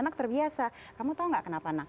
kita bisa melakukan apa saja